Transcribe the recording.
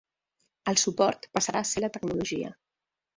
El suport passarà a ser la tecnologia.